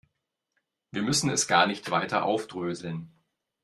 Wir müssen es gar nicht weiter aufdröseln.